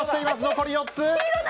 残り４つ。